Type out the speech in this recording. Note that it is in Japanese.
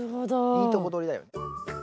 いいとこ取りだよね。